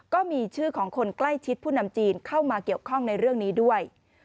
ก็มีชื่อของคนใกล้ชิดผู้นำจีนเข้ามาเกี่ยวข้องในเรื่องนี้ด้วย